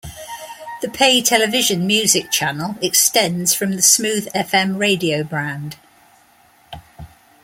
The pay television music channel extends from the smoothfm radio brand.